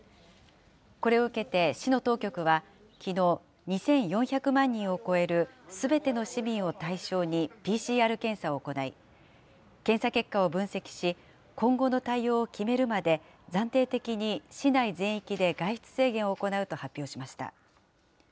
これを受けて市の当局は、きのう、２４００万人を超えるすべての市民を対象にＰＣＲ検査を行い、検査結果を分析し、今後の対応を決めるまで暫定的に市内全域で外出制限を行うと発表しました。